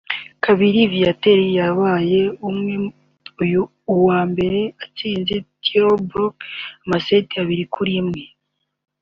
Kabiri Viateur yabaye uwa mbere atsinze Thais Brouck amaseti abiri kuri imwe